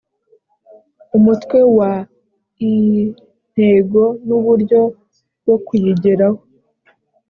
umutwe wa ii intego n’uburyo bwo kuyigeraho